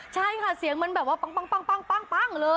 ใช่ค่ะเสียงมันแบบว่าปั้งเลย